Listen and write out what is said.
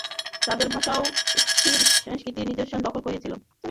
তাদের ভাষাও স্কিথীয় সংস্কৃতিতে নিজস্ব স্থান দখল করেছিল।